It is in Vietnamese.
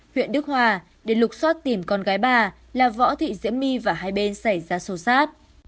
huyện đức hòa để lục xoát tìm con gái bà là võ thị diễm my và hai bên xảy ra sâu sát